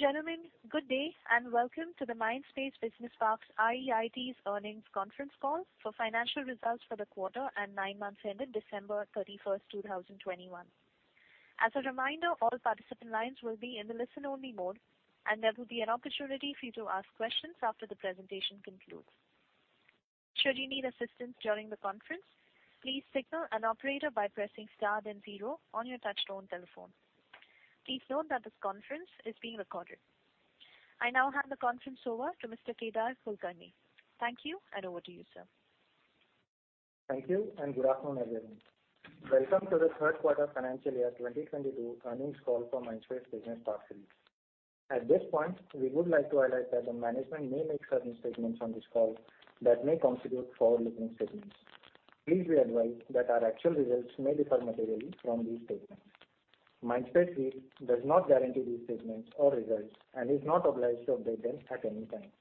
Ladies and gentlemen, good day and welcome to the Mindspace Business Parks REIT's earnings conference call for financial results for the quarter and nine months ended December 31, 2021. As a reminder, all participant lines will be in the listen-only mode, and there will be an opportunity for you to ask questions after the presentation concludes. Should you need assistance during the conference, please signal an operator by pressing star then zero on your touchtone telephone. Please note that this conference is being recorded. I now hand the conference over to Mr. Kedar Kulkarni. Thank you, and over to you, sir. Thank you, and good afternoon, everyone. Welcome to the third quarter financial year 2022 earnings call for Mindspace Business Parks REIT. At this point, we would like to highlight that the management may make certain statements on this call that may constitute forward-looking statements. Please be advised that our actual results may differ materially from these statements. Mindspace REIT does not guarantee these statements or results and is not obliged to update them at any time.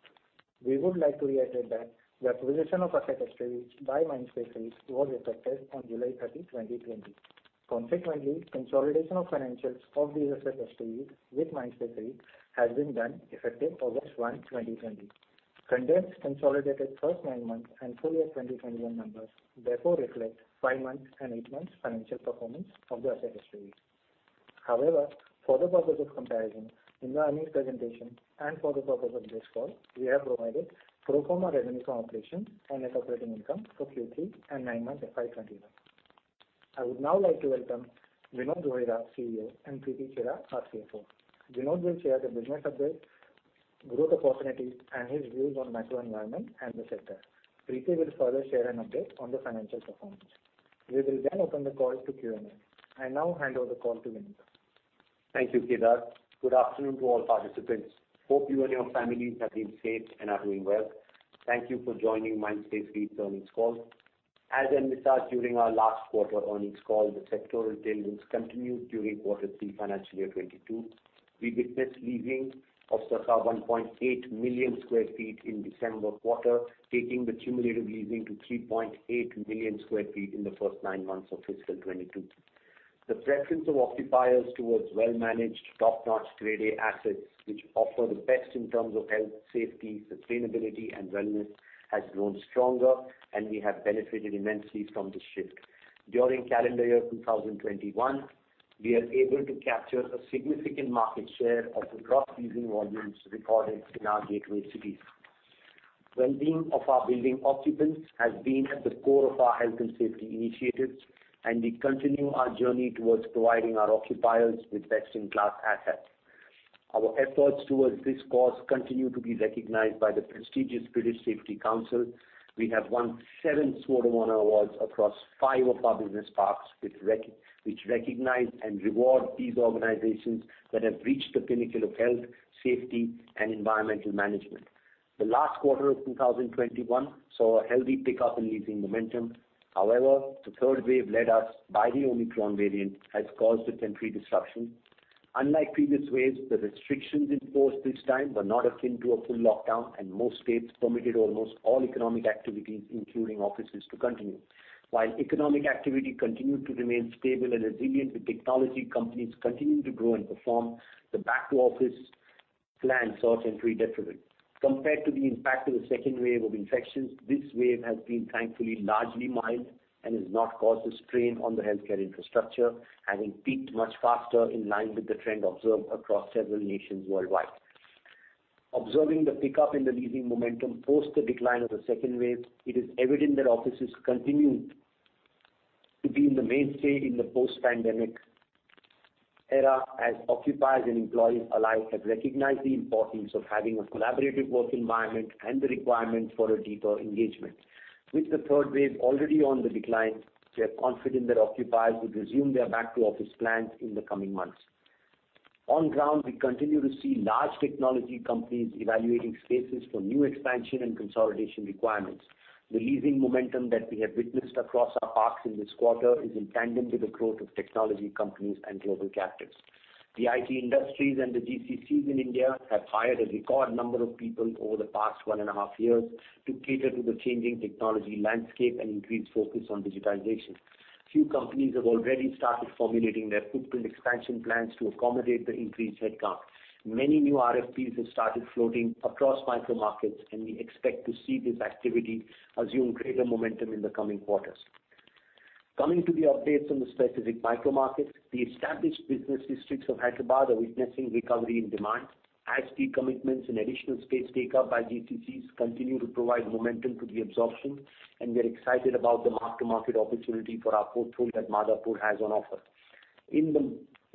We would like to reiterate that the acquisition of Asset SPVs by Mindspace REIT was effective on July 30, 2020. Consequently, consolidation of financials of the Asset SPVs with Mindspace REIT has been done effective August 1, 2020. Current consolidated first nine months and full year 2021 numbers therefore reflect five months and eight months financial performance of the Asset SPVs. However, for the purpose of comparison in the earnings presentation and for the purpose of this call, we have provided pro forma revenue from operations and net operating income for Q3 and nine months of FY 2021. I would now like to welcome Vinod Rohira, CEO, and Preeti Chheda, our CFO. Vinod will share the business update, growth opportunities, and his views on macro environment and the sector. Preeti will further share an update on the financial performance. We will then open the call to Q&A. I now hand over the call to Vinod. Thank you, Kedar. Good afternoon to all participants. Hope you and your families have been safe and are doing well. Thank you for joining Mindspace REIT's earnings call. As I mentioned during our last quarter earnings call, the sectoral tailwinds continued during Q3 FY 2022. We witnessed leasing of circa 1.8 million sq ft in December quarter, taking the cumulative leasing to 3.8 million sq ft in the first nine months of FY 2022. The preference of occupiers towards well-managed, top-notch Grade A assets which offer the best in terms of health, safety, sustainability and wellness has grown stronger, and we have benefited immensely from this shift. During calendar year 2021, we are able to capture a significant market share of the cross-leasing volumes recorded in our gateway cities. Wellbeing of our building occupants has been at the core of our health and safety initiatives, and we continue our journey towards providing our occupiers with best-in-class assets. Our efforts towards this cause continue to be recognized by the prestigious British Safety Council. We have won seven Sword of Honor awards across five of our business parks which recognize and reward these organizations that have reached the pinnacle of health, safety, and environmental management. The last quarter of 2021 saw a healthy pickup in leasing momentum. However, the third wave led by the Omicron variant has caused a temporary disruption. Unlike previous waves, the restrictions imposed this time were not akin to a full lockdown, and most states permitted almost all economic activities, including offices, to continue. While economic activity continued to remain stable and resilient with technology companies continuing to grow and perform, the back-to-office plans saw a temporary detriment. Compared to the impact of the second wave of infections, this wave has been thankfully largely mild and has not caused a strain on the healthcare infrastructure, having peaked much faster in line with the trend observed across several nations worldwide. Observing the pickup in the leasing momentum post the decline of the second wave, it is evident that offices continue to be in the mainstay in the post-pandemic era as occupiers and employees alike have recognized the importance of having a collaborative work environment and the requirement for a deeper engagement. With the third wave already on the decline, we are confident that occupiers would resume their back-to-office plans in the coming months. On ground, we continue to see large technology companies evaluating spaces for new expansion and consolidation requirements. The leasing momentum that we have witnessed across our parks in this quarter is in tandem to the growth of technology companies and global captives. The IT industries and the GCCs in India have hired a record number of people over the past one and a half years to cater to the changing technology landscape and increased focus on digitization. Few companies have already started formulating their footprint expansion plans to accommodate the increased headcount. Many new RFPs have started floating across micro markets, and we expect to see this activity assume greater momentum in the coming quarters. Coming to the updates on the specific micro markets, the established business districts of Hyderabad are witnessing recovery in demand as key commitments and additional space take up by GCCs continue to provide momentum to the absorption, and we are excited about the mark-to-market opportunity for our portfolio that Madhapur has on offer.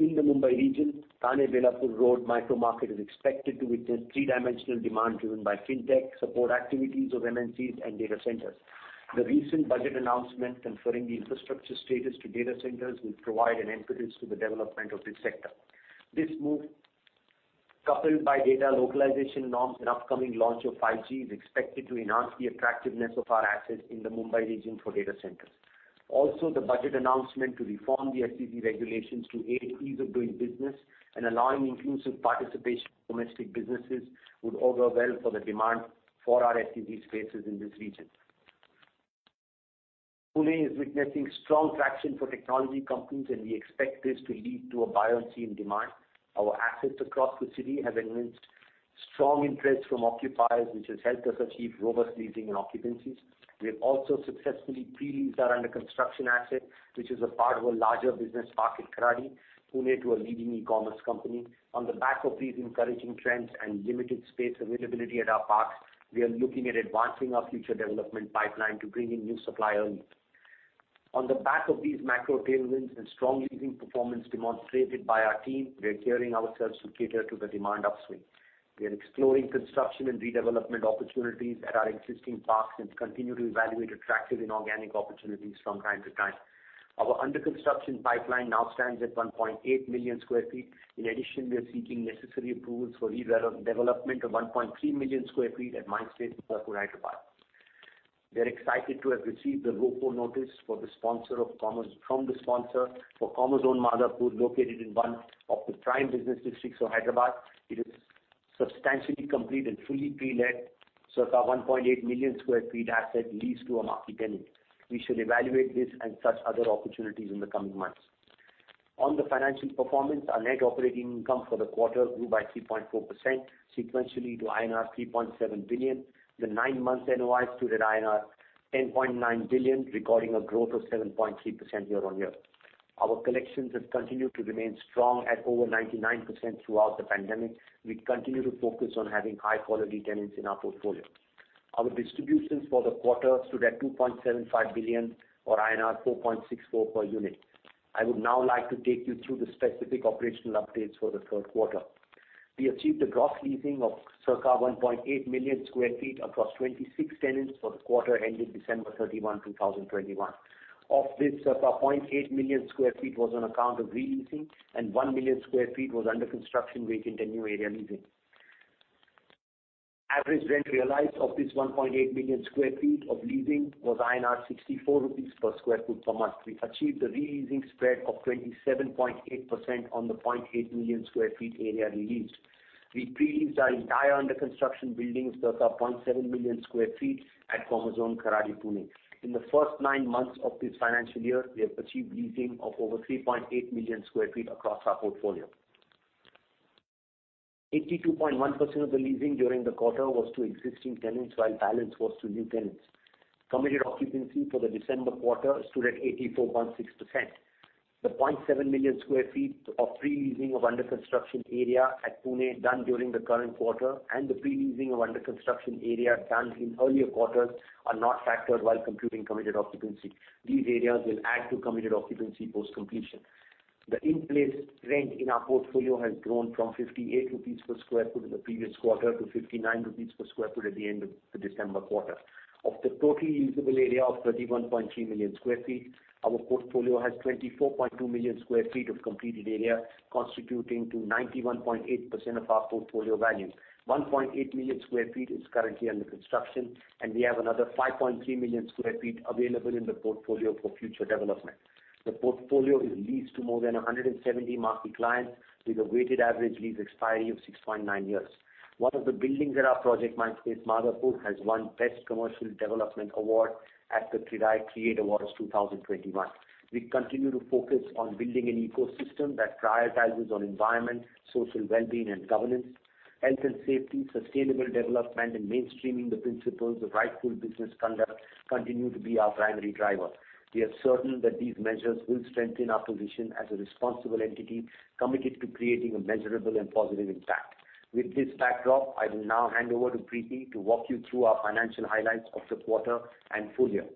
In the Mumbai region, Thane-Belapur Road micro market is expected to witness three-dimensional demand driven by fintech, support activities of MNCs, and data centers. The recent budget announcement conferring the infrastructure status to data centers will provide an impetus to the development of this sector. This move, coupled by data localization norms and upcoming launch of 5G, is expected to enhance the attractiveness of our assets in the Mumbai region for data centers. The budget announcement to reform the SEZ regulations to aid ease of doing business and allowing inclusive participation of domestic businesses would augur well for the demand for our SEZ spaces in this region. Pune is witnessing strong traction for technology companies, and we expect this to lead to a buoyant demand. Our assets across the city have seen strong interest from occupiers, which has helped us achieve robust leasing and occupancies. We have also successfully pre-leased our under-construction asset, which is a part of a larger business park in Kharadi, Pune, to a leading e-commerce company. On the back of these encouraging trends and limited space availability at our parks, we are looking at advancing our future development pipeline to bring in new supply early. On the back of these macro tailwinds and strong leasing performance demonstrated by our team, we are gearing ourselves to cater to the demand upswing. We are exploring construction and redevelopment opportunities at our existing parks, and continue to evaluate attractive inorganic opportunities from time to time. Our under-construction pipeline now stands at 1.8 million sq ft. In addition, we are seeking necessary approvals for redevelopment of 1.3 million sq ft at Mindspace Madhapur, Hyderabad. We are excited to have received the ROFO notice from the sponsor for Commerzone Madhapur, located in one of the prime business districts of Hyderabad. It is substantially complete and fully pre-let, circa 1.8 million sq ft asset leased to a major tenant. We should evaluate this and such other opportunities in the coming months. On the financial performance, our net operating income for the quarter grew by 3.4% sequentially to INR 3.7 billion. The nine months NOI stood at INR 10.9 billion, recording a growth of 7.3% year-on-year. Our collections have continued to remain strong at over 99% throughout the pandemic. We continue to focus on having high-quality tenants in our portfolio. Our distributions for the quarter stood at 2.75 billion or INR 4.64 per unit. I would now like to take you through the specific operational updates for the third quarter. We achieved a gross leasing of circa 1.8 million sq ft across 26 tenants for the quarter ending December 31, 2021. Of this, circa 0.8 million sq ft was on account of re-leasing, and 1 million sq ft was under construction vacant and new area leasing. Average rent realized of this 1.8 million sq ft of leasing was 64 rupees per sq ft per month. We achieved a re-leasing spread of 27.8% on the 0.8 million sq ft area re-leased. We pre-leased our entire under-construction buildings, circa 0.7 million sq ft, at Commerzone Kharadi, Pune. In the first nine months of this financial year, we have achieved leasing of over 3.8 million sq ft across our portfolio. 82.1% of the leasing during the quarter was to existing tenants, while balance was to new tenants. Committed occupancy for the December quarter stood at 84.6%. 0.7 million sq ft of pre-leasing of under-construction area at Pune done during the current quarter, and the pre-leasing of under-construction area done in earlier quarters are not factored while computing committed occupancy. These areas will add to committed occupancy post-completion. The in-place rent in our portfolio has grown from 58 rupees per sq ft in the previous quarter to 59 rupees per sq ft at the end of the December quarter. Of the total usable area of 31.3 million sq ft, our portfolio has 24.2 million sq ft of completed area, constituting 91.8% of our portfolio value. 1.8 million sq ft is currently under construction, and we have another 5.3 million sq ft available in the portfolio for future development. The portfolio is leased to more than 170 market clients, with a weighted average lease expiry of 6.9 years. One of the buildings at our project Mindspace Madhapur has won Best Commercial Development Award at the CREDAI CREATE Awards 2021. We continue to focus on building an ecosystem that prioritizes on environment, social wellbeing and governance. Health and safety, sustainable development, and mainstreaming the principles of rightful business conduct continue to be our primary driver. We are certain that these measures will strengthen our position as a responsible entity committed to creating a measurable and positive impact. With this backdrop, I will now hand over to Preeti to walk you through our financial highlights of the quarter and full year.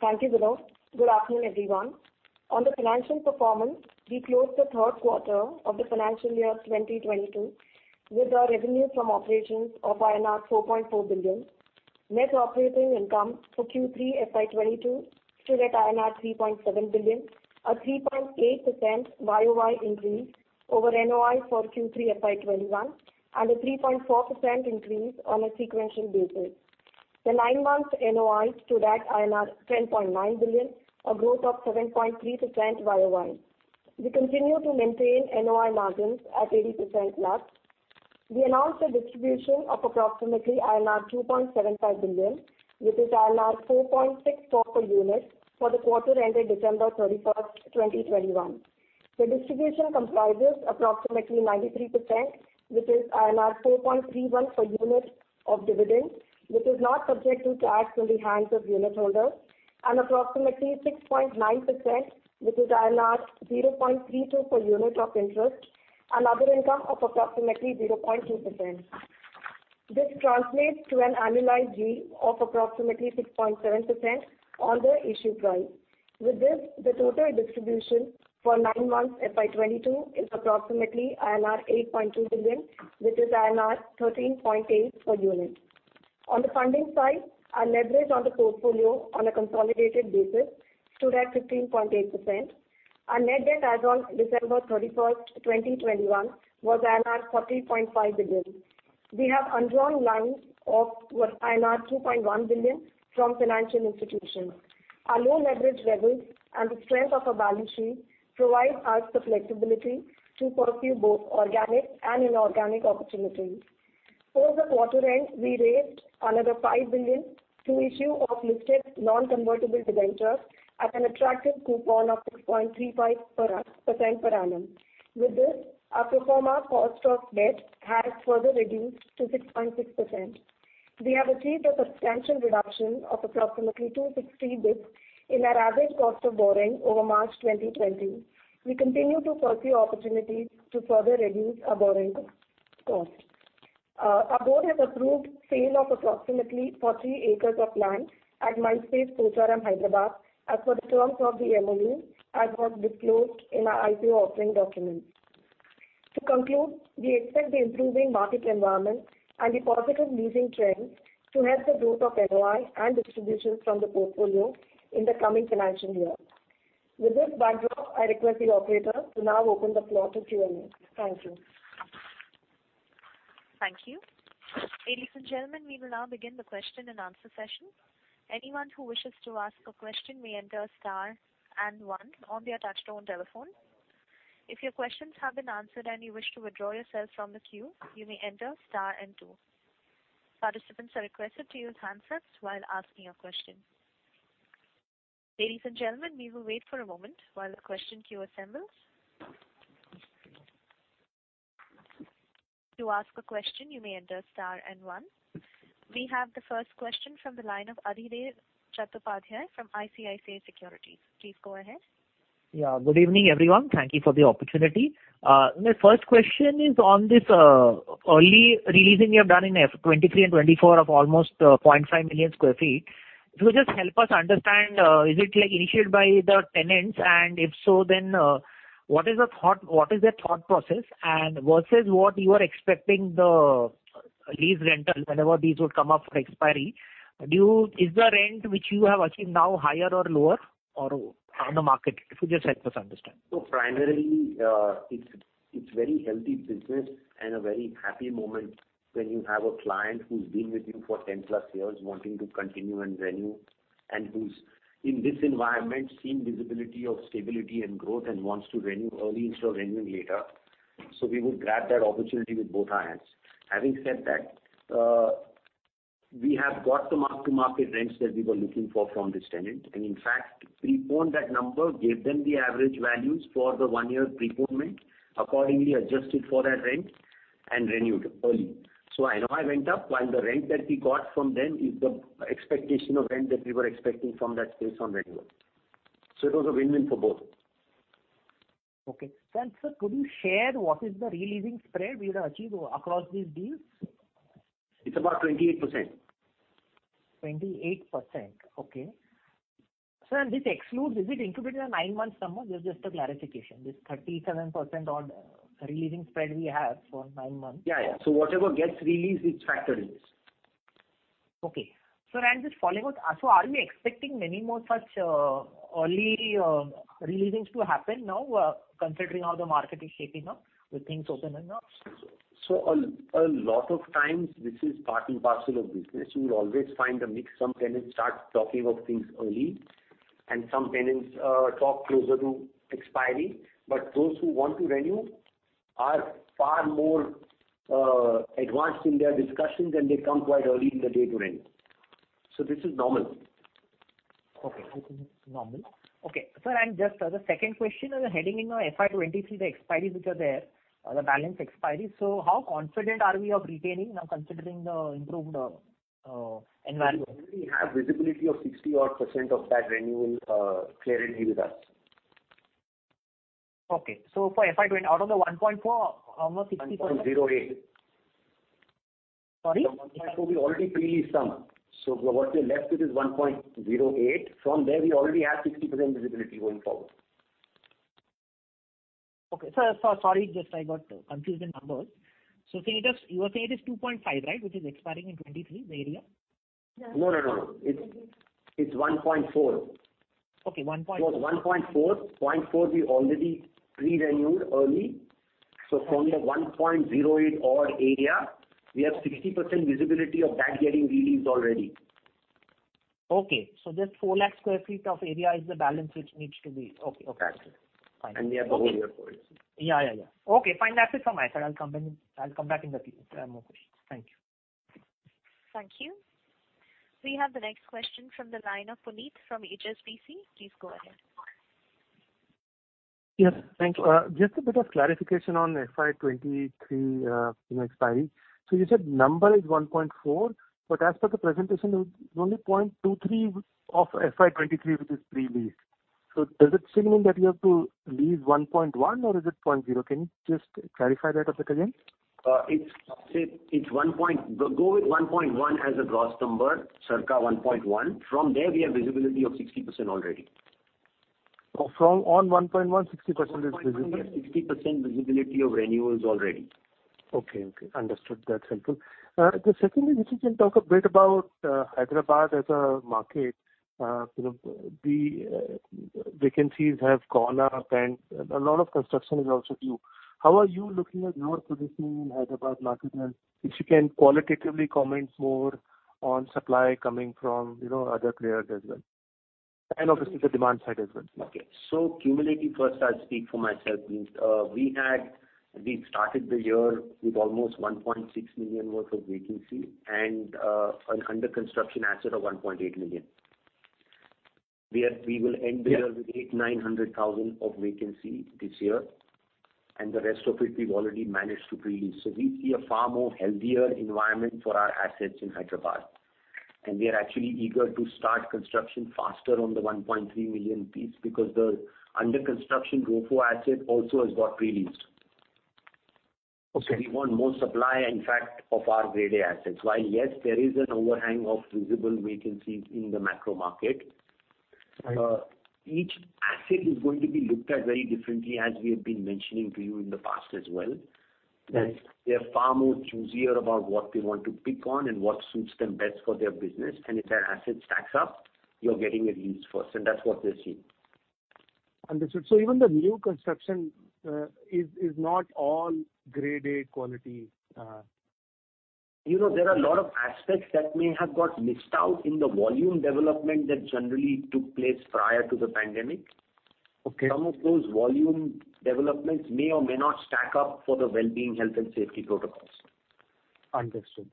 Thank you, Vinod. Good afternoon, everyone. On the financial performance, we closed the third quarter of the financial year 2022 with a revenue from operations of INR 4.4 billion. Net operating income for Q3 FY 2022 stood at INR 3.7 billion, a 3.8% YoY increase over NOI for Q3 FY 2021, and a 3.4% increase on a sequential basis. The nine months NOI stood at 10.9 billion, a growth of 7.3% YoY. We continue to maintain NOI margins at 80%+. We announced a distribution of approximately INR 2.75 billion, which is INR 4.64 per unit, for the quarter ended December 31, 2021. The distribution comprises approximately 93%, which is 4.31 per unit of dividend, which is not subject to tax in the hands of unit holders, and approximately 6.9%, which is 0.32 per unit of interest, and other income of approximately 0.2%. This translates to an annualized yield of approximately 6.7% on the issue price. With this, the total distribution for nine months FY 2022 is approximately INR 8.2 billion, which is INR 13.8 per unit. On the funding side, our leverage on the portfolio on a consolidated basis stood at 15.8%. Our net debt as on December 31, 2021 was INR 40.5 billion. We have undrawn lines of INR 2.1 billion from financial institutions. Our low leverage levels and the strength of our balance sheet provides us the flexibility to pursue both organic and inorganic opportunities. Towards the quarter end, we raised another 5 billion through issue of listed non-convertible debentures at an attractive coupon of 6.35% per annum. With this, our pro forma cost of debt has further reduced to 6.6%. We have achieved a substantial reduction of approximately 260 basis points in our average cost of borrowing over March 2020. We continue to pursue opportunities to further reduce our borrowing cost. Our board has approved sale of approximately 40 acres of land at Mindspace, Gachibowli, Hyderabad as per the terms of the MOU, as was disclosed in our IPO offering document. To conclude, we expect the improving market environment and the positive leasing trends to help the growth of NOI and distributions from the portfolio in the coming financial year. With this backdrop, I request the operator to now open the floor to Q&A. Thank you. Thank you. Ladies and gentlemen, we will now begin the question and answer session. Anyone who wishes to ask a question may enter star and one on their touchtone telephone. If your questions have been answered and you wish to withdraw yourself from the queue, you may enter star and two. Participants are requested to use handsets while asking a question. Ladies and gentlemen, we will wait for a moment while the question queue assembles. To ask a question, you may enter star and one. We have the first question from the line of Adhidev Chattopadhyay from ICICI Securities. Please go ahead. Yeah. Good evening, everyone. Thank you for the opportunity. My first question is on this early re-leasing you have done in FY 2023 and 2024 of almost 0.5 million sq ft. If you just help us understand, is it, like, initiated by the tenants? And if so, then what is the thought, what is their thought process? And versus what you are expecting the lease rental whenever these would come up for expiry, is the rent which you have achieved now higher or lower or on the market? If you just help us understand. Primarily, it's very healthy business and a very happy moment when you have a client who's been with you for 10+ years wanting to continue and renew, and who's, in this environment, seen visibility of stability and growth and wants to renew early instead of renewing later. We would grab that opportunity with both hands. Having said that, we have got the mark-to-market rents that we were looking for from this tenant, and in fact, preponed that number, gave them the average values for the 1-year prepayment, accordingly adjusted for that rent, and renewed early. NOI went up, while the rent that we got from them is the expectation of rent that we were expecting from that space on renewal. It was a win-win for both. Okay. Sir, could you share what is the re-leasing spread we have achieved across these deals? It's about 28%. 28%. Okay. Sir, and this excludes? Is it included in the nine months number? Just a clarification. This 37% on re-leasing spread we have for nine months. Yeah. Whatever gets re-leased, it's factored in. Okay. Sir, just following up. Are we expecting many more such early re-leasings to happen now, considering how the market is shaping up with things opening up? A lot of times this is part and parcel of business. You will always find a mix. Some tenants start talking of things early, and some tenants talk closer to expiry. Those who want to renew are far more advanced in their discussions, and they come quite early in the day to renew. This is normal. Okay. I think it's normal. Okay. Sir, just the second question. As we're heading into FY 2023, the expiries which are there, the balance expiry, so how confident are we of retaining now considering the improved environment? We already have visibility of 60-odd% of that renewal, clearly with us. For FY 2020, out of the INR 1.4, how much? 1.08. Sorry? From 1.4, we already pre-leased some. What we're left with is 1.08. From there we already have 60% visibility going forward. Okay. Sir, sorry, just I got confused in numbers. Say it is. You are saying it is 2.5, right, which is expiring in 2023, the area? No, no. It's 1.4. Okay, one point. It's 1.4. 0.4 we already pre-renewed early. From the 1.08 odd area, we have 60% visibility of that getting re-leased already. Just 4 lakh sq ft of area is the balance which needs to be. That's it. Fine. We have the whole year for it. Yeah, yeah. Okay, fine. That's it from my side. I'll come in, I'll come back in the queue if I have more questions. Thank you. Thank you. We have the next question from the line of Puneet from HSBC. Please go ahead. Yes. Thank you. Just a bit of clarification on FY 2023, you know, expiry. So you said number is 1.4, but as per the presentation it was only 0.23 of FY 2023 which is pre-leased. So does it signal that you have to lease 1.1 or is it point zero? Can you just clarify that a bit again? It's 1.1. Go with 1.1 as a gross number, circa 1.1. From there, we have visibility of 60% already. On 1.1, 60% is visible? From 1.1 we have 60% visibility of renewals already. Okay. Understood. That's helpful. Then secondly, if you can talk a bit about Hyderabad as a market. You know, the vacancies have gone up and a lot of construction is also due. How are you looking at your positioning in Hyderabad market? If you can qualitatively comment more on supply coming from, you know, other players as well. Obviously the demand side as well. Okay. Cumulatively, first I'll speak for myself. We started the year with almost 1.6 million worth of vacancy and an under construction asset of 1.8 million. We are Yeah. We will end the year with 800,000-900,000 of vacancy this year, and the rest of it we've already managed to pre-lease. We see a far more healthier environment for our assets in Hyderabad. We are actually eager to start construction faster on the 1.3 million piece because the under construction ROFO asset also has got pre-leased. Okay. We want more supply, in fact, of our Grade A assets. While, yes, there is an overhang of feasible vacancies in the macro market. Right Each asset is going to be looked at very differently, as we have been mentioning to you in the past as well. Yes. They're far more choosier about what they want to pick on and what suits them best for their business. If that asset stacks up, you're getting a lease first, and that's what we're seeing. Understood. Even the new construction is not all Grade A quality. You know, there are a lot of aspects that may have got missed out in the volume development that generally took place prior to the pandemic. Okay. Some of those volume developments may or may not stack up for the wellbeing, health, and safety protocols. Understood.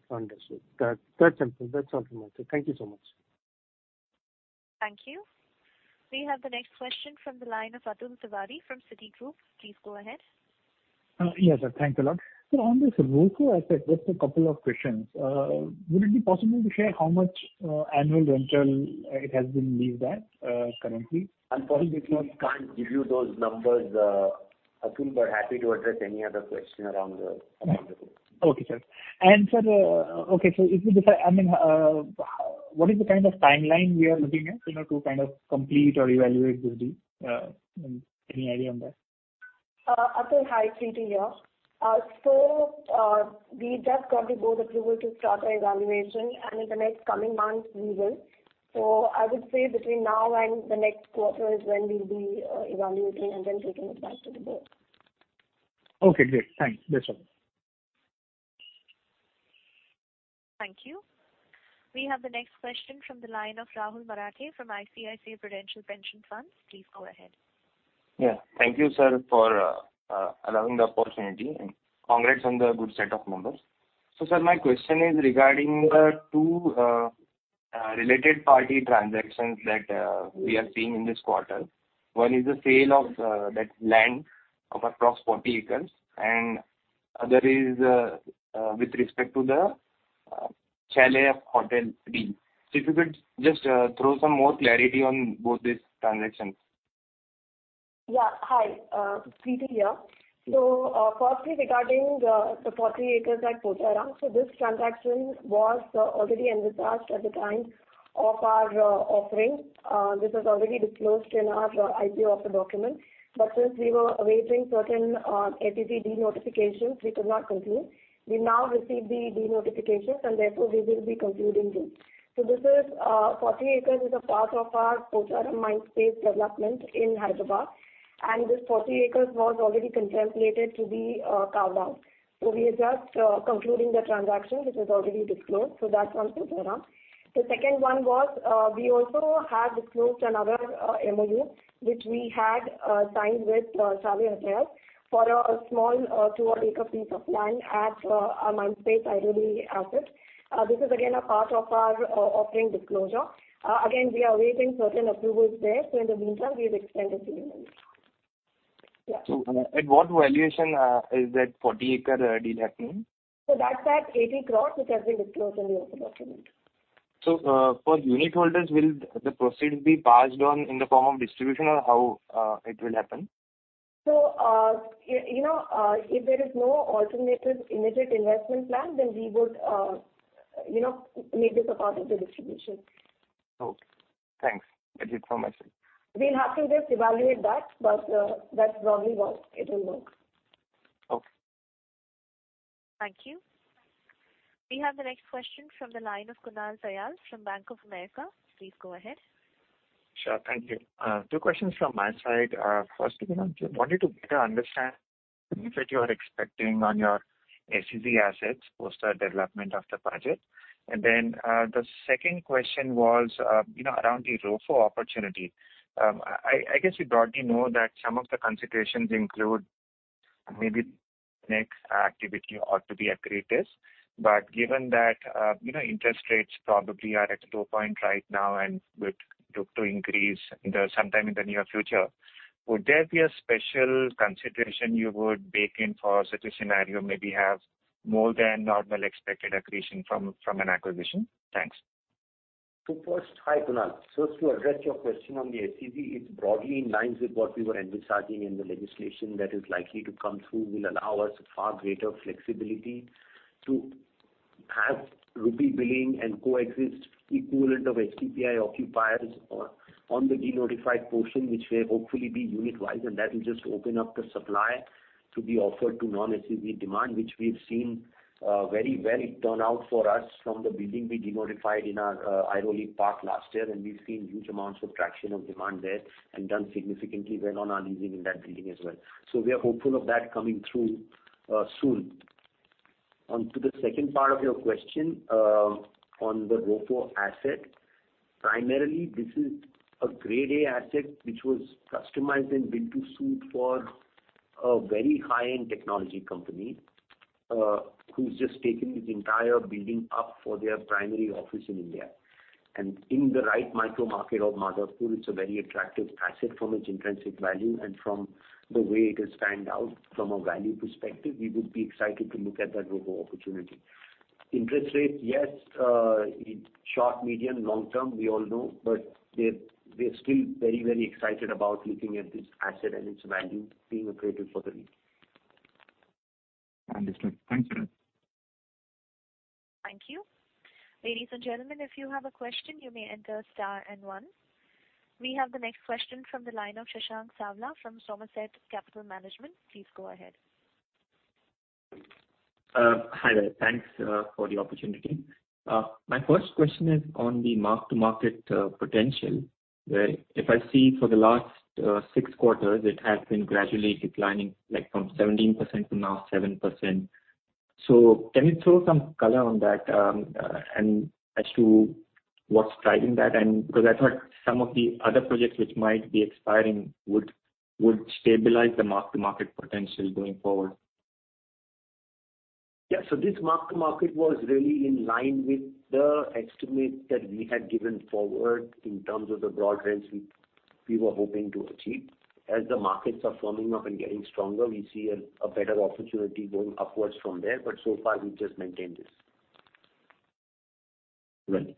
That, that's something, that's all from my side. Thank you so much. Thank you. We have the next question from the line of Atul Tiwari from Citigroup. Please go ahead. Yes, sir. Thanks a lot. On this ROFO asset, just a couple of questions. Would it be possible to share how much annual rental it has been leased at currently? Unfortunately, we can't give you those numbers, Atul, but happy to address any other question around the ROFO. Okay, sir. Sir, okay, I mean, what is the kind of timeline we are looking at, you know, to kind of complete or evaluate this deal? Any idea on that? Atul, hi, Preeti here. We just got the board approval to start our evaluation, and in the next coming months we will. I would say between now and the next quarter is when we'll be evaluating and then taking it back to the board. Okay, great. Thanks. That's all. Thank you. We have the next question from the line of Rahul Marathe from ICICI Prudential Pension Funds. Please go ahead. Yeah. Thank you, sir, for allowing the opportunity, and congrats on the good set of numbers. Sir, my question is regarding the two related party transactions that we are seeing in this quarter. One is the sale of that land across 40 acres, and other is with respect to the Chalet Hotels deal. If you could just throw some more clarity on both these transactions. Hi, Preeti here. Firstly, regarding the 40 acres at Pocharam. This transaction was already envisaged at the time of our offering. This was already disclosed in our IPO offer document. Since we were awaiting certain ATPD notifications, we could not conclude. We now received the denotifications, and therefore we will be concluding this. This 40 acres is a part of our Pocharam Mindspace development in Hyderabad, and this 40 acres was already contemplated to be carved out. We are just concluding the transaction, which is already disclosed. That's on Pocharam. The second one was, we also had disclosed another MoU, which we had signed with Chalet Hotels for a small 2-acre piece of land at our Mindspace Airoli asset. This is again a part of our offering disclosure. Again, we are awaiting certain approvals there. In the meantime, we've extended the agreement. Yeah. At what valuation is that 40-acre deal happening? That's at 80 crores, which has been disclosed in the offer document. For unit holders, will the proceeds be passed on in the form of distribution or how it will happen? You know, if there is no alternative immediate investment plan, then we would, you know, make this a part of the distribution. Okay. Thanks. That's it from my side. We'll have to just evaluate that, but that's probably what it will look. Okay. Thank you. We have the next question from the line of Kunal Tayal from Bank of America. Please go ahead. Sure. Thank you. Two questions from my side. First, you know, wanted to better understand benefit you are expecting on your SEZ assets post the development of the budget. Then, the second question was, you know, around the ROFO opportunity. I guess you broadly know that some of the considerations include maybe next activity ought to be accretive. Given that, you know, interest rates probably are at a low point right now and would look to increase sometime in the near future, would there be a special consideration you would bake in for such a scenario, maybe have more than normal expected accretion from an acquisition? Thanks. First, hi, Kunal. To address your question on the SEZ, it's broadly in line with what we were envisaging, and the legislation that is likely to come through will allow us far greater flexibility to have rupee billing and coexist equivalent of STPI occupiers or on the denotified portion, which will hopefully be unit-wise, and that will just open up the supply to be offered to non-SEZ demand, which we've seen very well, it turned out for us from the building we denotified in our Airoli park last year, and we've seen huge amounts of traction of demand there and done significantly well on our leasing in that building as well. We are hopeful of that coming through soon. On to the second part of your question, on the ROFO asset. Primarily, this is a Grade A asset which was customized and built to suit for a very high-end technology company, who's just taken this entire building up for their primary office in India. In the right micro market of Madhapur, it's a very attractive asset from its intrinsic value, and from the way it stands out from a value perspective, we would be excited to look at that ROFO opportunity. Interest rate, yes, in short, medium, long term, we all know, but they're still very excited about looking at this asset and its value being accretive for the REIT. Understood. Thanks a lot. Thank you. Ladies and gentlemen, if you have a question, you may enter star and one. We have the next question from the line of Shashank Savla from Somerset Capital Management. Please go ahead. Hi there. Thanks for the opportunity. My first question is on the mark-to-market potential, where if I see for the last six quarters, it has been gradually declining, like from 17% to now 7%. Can you throw some color on that, and as to what's driving that? Because I thought some of the other projects which might be expiring would stabilize the mark-to-market potential going forward. Yeah. This mark-to-market was really in line with the estimate that we had given forward in terms of the broad rents we were hoping to achieve. As the markets are firming up and getting stronger, we see a better opportunity going upwards from there. So far, we've just maintained this. Right.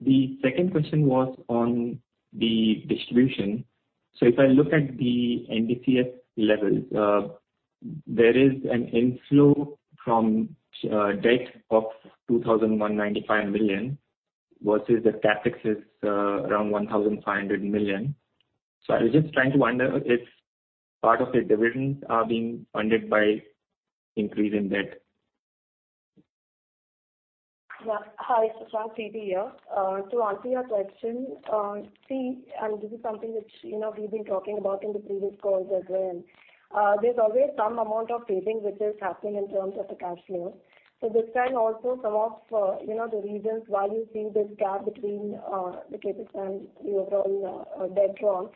The second question was on the distribution. If I look at the NDCF levels, there is an inflow from debt of 2,195 million versus the CapEx is around 1,500 million. I was just trying to wonder if part of the dividends are being funded by increase in debt. Yeah. Hi, Shashank. Preeti here. To answer your question, see, this is something which, you know, we've been talking about in the previous calls as well. There's always some amount of phasing which is happening in terms of the cash flows. This time also some of, you know, the reasons why you see this gap between the CapEx and the overall debt drawn.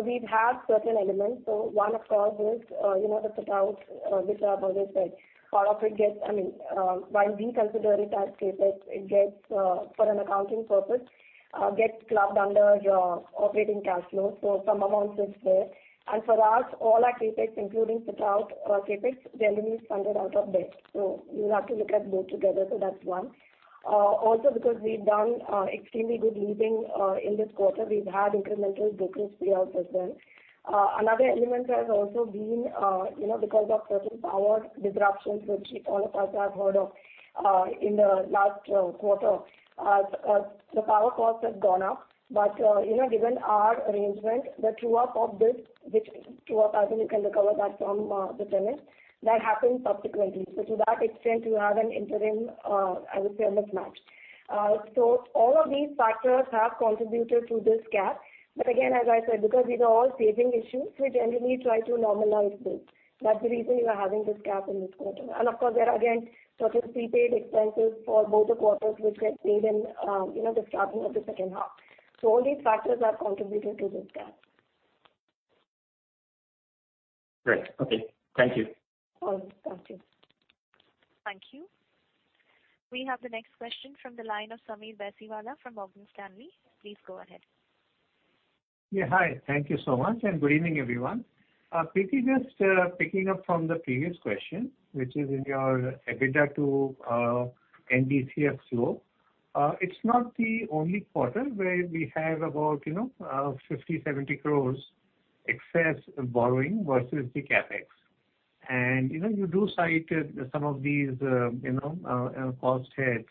We've had certain elements. One of course is, you know, the put outs, which I've always said. Part of it gets, I mean, while we consider it as CapEx, it gets for an accounting purpose gets clubbed under your operating cash flows. Some amount sits there. For us, all our CapEx, including put out CapEx, generally is funded out of debt. You'll have to look at both together. That's one. Also because we've done extremely good leasing in this quarter, we've had incremental brokers payoffs as well. Another element has also been you know because of certain power disruptions which all of us have heard of in the last quarter. The power cost has gone up. You know, given our arrangement, the true up of this, I think you can recover that from the tenants, that happened subsequently. To that extent, you have an interim, I would say, mismatch. All of these factors have contributed to this gap. Again, as I said, because these are all saving issues, we generally try to normalize this. That's the reason you are having this gap in this quarter. Of course, there are again certain prepaid expenses for both the quarters which gets paid in, you know, the starting of the second half. All these factors are contributing to this gap. Great. Okay. Thank you. All good. Thank you. Thank you. We have the next question from the line of Sameer Baisiwala from Morgan Stanley. Please go ahead. Yeah. Hi. Thank you so much, and good evening, everyone. Preeti, just picking up from the previous question, which is in your EBITDA to NDCF flow. It's not the only quarter where we have about, you know, 50 crores-70 crores excess borrowing versus the CapEx. You know, you do cite some of these, you know, cost heads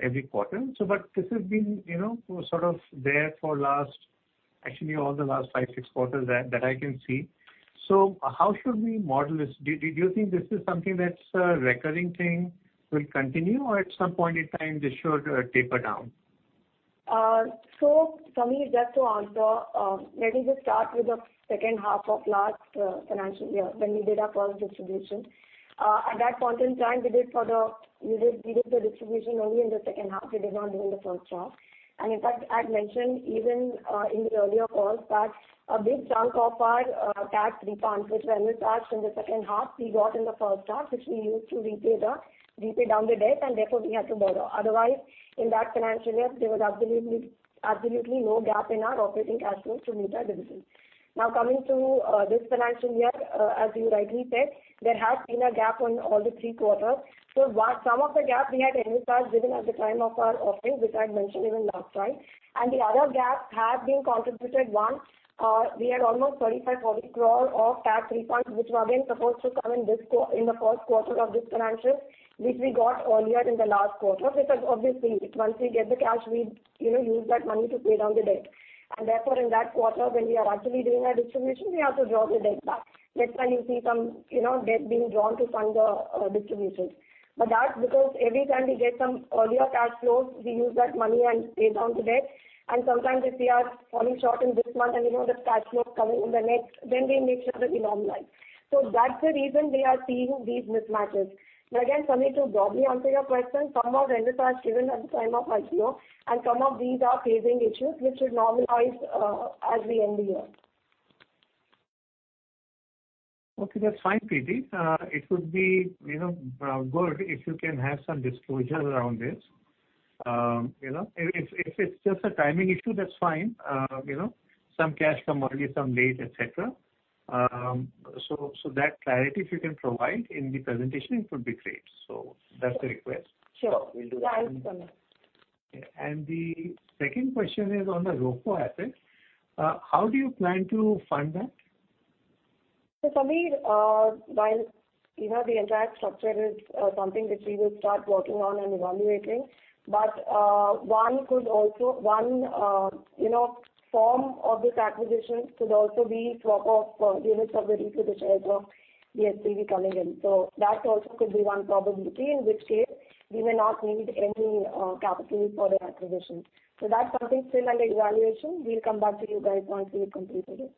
every quarter. This has been, you know, sort of there for last, actually all the last five, six quarters that I can see. How should we model this? Do you think this is something that's a recurring thing will continue? Or at some point in time, this should taper down? Sameer, just to answer, let me just start with the second half of last financial year when we did our first distribution. At that point in time, we did the distribution only in the second half. We did not do in the first half. In fact, I'd mentioned even in the earlier calls that a big chunk of our tax refunds which were envisaged in the second half, we got in the first half, which we used to repay down the debt and therefore we had to borrow. Otherwise, in that financial year, there was absolutely no gap in our operating cash flows to meet our dividends. Now coming to this financial year, as you rightly said, there has been a gap on all the three quarters. Some of the gap we had envisaged given at the time of our offering, which I'd mentioned even last time. The other gap had been contributed by one: we had almost 35-40 crore of tax refunds, which were again supposed to come in this in the first quarter of this financial, which we got earlier in the last quarter. Because obviously, once we get the cash, we, you know, use that money to pay down the debt. Therefore, in that quarter, when we are actually doing our distribution, we have to draw the debt back. That's why you see some, you know, debt being drawn to fund the distribution. That's because every time we get some earlier cash flows, we use that money and pay down the debt. Sometimes if we are falling short in this month and we know that cash flow is coming in the next, then we make sure that we normalize. That's the reason we are seeing these mismatches. Again, Sameer, to broadly answer your question, some of rentals are given at the time of IPO, and some of these are phasing issues which should normalize as we end the year. Okay, that's fine, Preeti. It would be, you know, good if you can have some disclosure around this. You know, if it's just a timing issue, that's fine. You know, some cash come early, some late, et cetera. That clarity if you can provide in the presentation, it would be great. That's the request. Sure. We'll do that. The second question is on the ROFO assets. How do you plan to fund that? Sameer, while you know, the entire structure is something which we will start working on and evaluating, but one could also one you know, form of this acquisition could also be swap of units already to the share of the SPV coming in. That also could be one probability in which case we may not need any capital for the acquisition. That's something still under evaluation. We'll come back to you guys once we've completed it.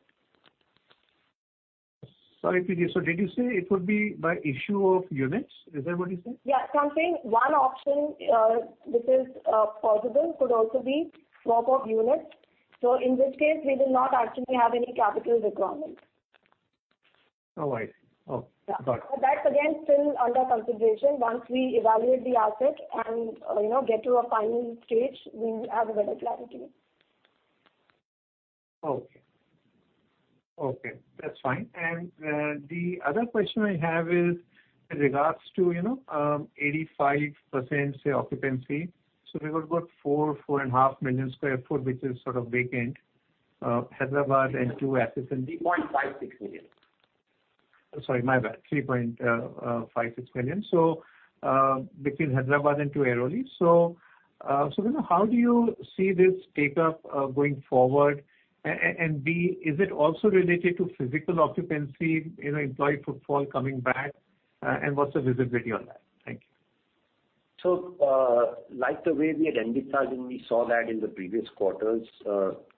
Sorry, Preeti. Did you say it would be by issue of units? Is that what you said? I'm saying one option, which is possible could also be swap of units. In which case we will not actually have any capital requirement. All right. Oh, got it. That's again still under consideration. Once we evaluate the asset and, you know, get to a final stage, we will have a better clarity. Okay. Okay, that's fine. The other question I have is in regards to, you know, 85% occupancy. We've got 4.5 million sq ft, which is sort of vacant, Hyderabad and two assets in- 3.56 million. Sorry, my bad. 3.56 million. Between Hyderabad and two Airoli. How do you see this take up going forward? And B, is it also related to physical occupancy, you know, employee footfall coming back? And what's the visibility on that? Thank you. Like the way we had envisaged, and we saw that in the previous quarters,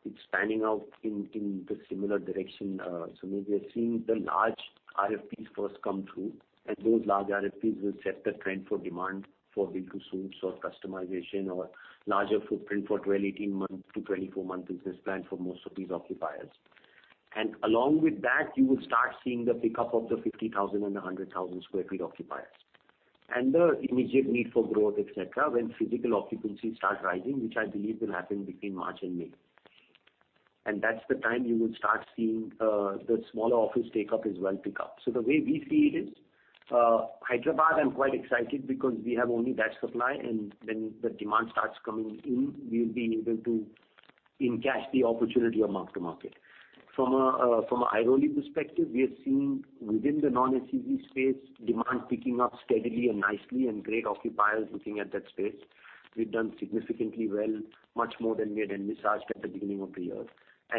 it's panning out in the similar direction. Maybe we are seeing the large RFPs first come through, and those large RFPs will set the trend for demand for build to suits or customization or larger footprint for 12, 18-month to 24-month business plan for most of these occupiers. Along with that, you will start seeing the pickup of the 50,000 sq ft and 100,000 sq ft occupiers. The immediate need for growth, et cetera, when physical occupancy starts rising, which I believe will happen between March and May. That's the time you will start seeing the smaller office take up as well pick up. The way we see it is, Hyderabad, I'm quite excited because we have only that supply. When the demand starts coming in, we'll be able to encash the opportunity of mark to market. From an Airoli perspective, we are seeing within the non-SEZ space, demand picking up steadily and nicely and great occupiers looking at that space. We've done significantly well, much more than we had envisaged at the beginning of the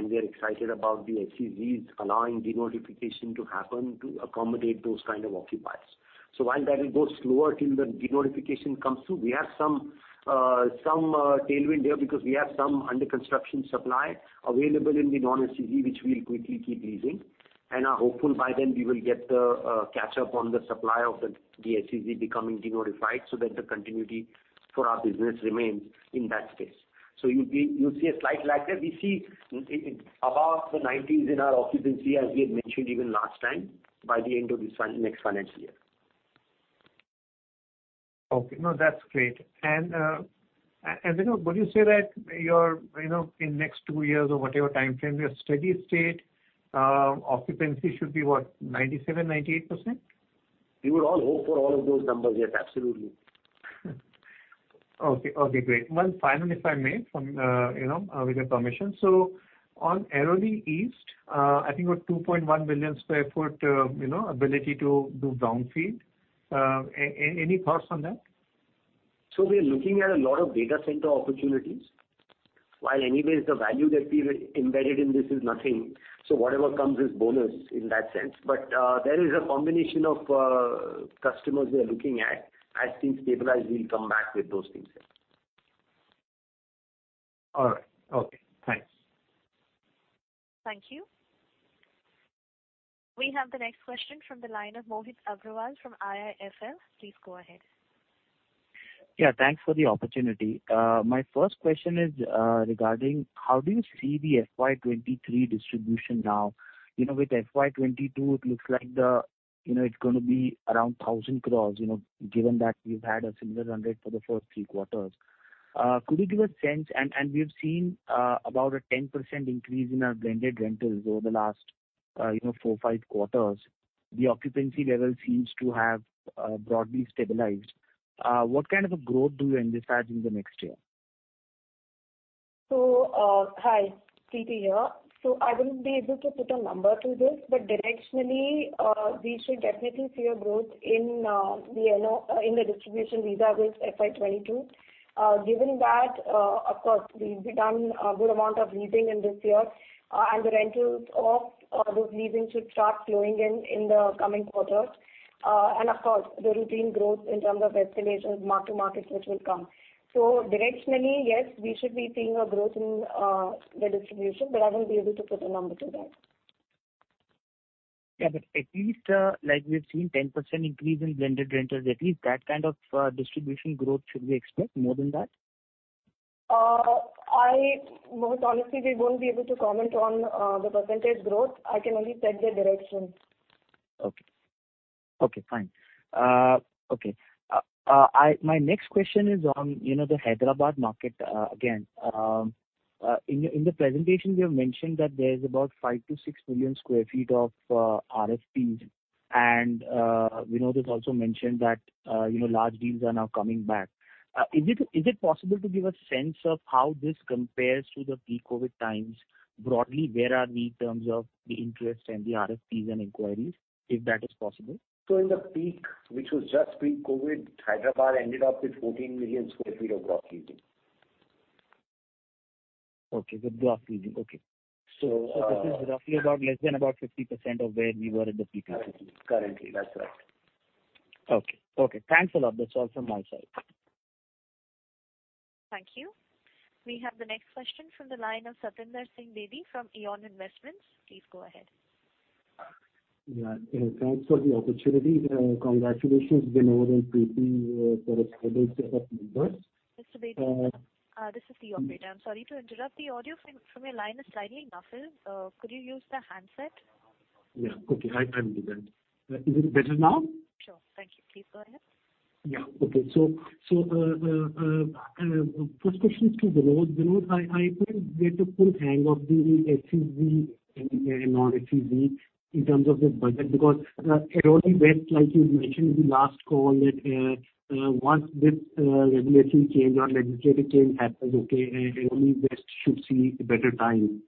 year. We are excited about the SEZs allowing denotification to happen to accommodate those kind of occupiers. While that will go slower till the denotification comes through, we have some tailwind there because we have some under construction supply available in the non-SEZ, which we'll quickly keep leasing, and are hopeful by then we will get the catch up on the supply of the SEZ becoming denotified so that the continuity for our business remains in that space. You'll see a slight lag there. We see above 90% in our occupancy, as we had mentioned even last time, by the end of next financial year. Okay. No, that's great. And Vinod, would you say that your, you know, in next two years or whatever timeframe, your steady state occupancy should be what? 97%-98%? We would all hope for all of those numbers. Yes, absolutely. Okay. Okay, great. Well, finally, if I may, you know, with your permission. On Airoli East, I think about 2.1 million sq ft, you know, ability to do brownfield. Any thoughts on that? We are looking at a lot of data center opportunities. While anyways the value that we've embedded in this is nothing, so whatever comes is bonus in that sense. There is a combination of customers we are looking at. As things stabilize, we'll come back with those things, yeah. All right. Okay. Thanks. Thank you. We have the next question from the line of Mohit Agrawal from IIFL. Please go ahead. Yeah, thanks for the opportunity. My first question is regarding how do you see the FY 2023 distribution now? You know, with FY 2022, it looks like the, you know, it's gonna be around 1,000 crores, you know, given that you've had a similar run rate for the first three quarters. Could you give a sense? We've seen about a 10% increase in our blended rentals over the last, you know, four, five quarters. The occupancy level seems to have broadly stabilized. What kind of a growth do you envisage in the next year? Hi, Preeti here. I wouldn't be able to put a number to this, but directionally, we should definitely see a growth in the distribution vis-a-vis FY 2022. Given that, of course, we've done a good amount of leasing in this year, and the rentals of those leases should start flowing in in the coming quarters. Of course, the routine growth in terms of escalations, mark-to-markets, which will come. Directionally, yes, we should be seeing a growth in the distribution, but I won't be able to put a number to that. At least, like we've seen 10% increase in blended rentals, at least that kind of distribution growth should we expect more than that? Most honestly, we won't be able to comment on the percentage growth. I can only set the direction. My next question is on, you know, the Hyderabad market, again. In the presentation you have mentioned that there is about 5 million sq ft-6 million sq ft of RFPs. Vinod has also mentioned that, you know, large deals are now coming back. Is it possible to give a sense of how this compares to the pre-COVID times? Broadly, where are we in terms of the interest and the RFPs and inquiries, if that is possible? In the peak, which was just pre-COVID, Hyderabad ended up with 14 million sq ft of gross leasing. Okay. With gross leasing. Okay. So, uh- This is roughly about less than about 50% of where we were at the peak. Currently, that's right. Okay. Thanks a lot. That's all from my side. Thank you. We have the next question from the line of Satinder Singh Bedi from Eon Investments. Please go ahead. Yeah. Thanks for the opportunity. Congratulations, Vinod and Preeti, for a fabulous set of numbers. Mr. Bedi, this is the operator. I'm sorry to interrupt. The audio from your line is slightly muffled. Could you use the handset? Yeah. Okay. I will do that. Is it better now? Sure. Thank you. Please go ahead. First question is to Vinod. Vinod, I couldn't get a full hang of the SEZ and non-SEZ in terms of the budget, because Airoli West, like you had mentioned in the last call that once this regulatory change or legislative change happens, okay, Airoli West should see a better time.